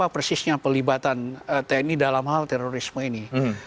persisnya pelibatan tni dalam hal terorisme ini